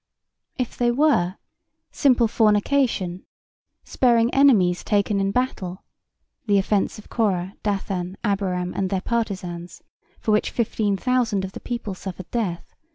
If they were, simple fornication, sparing enemies taken in battle (the offence of Korah, Dathan and Abiram and their partizans, for which 15,000 of the people suffered death.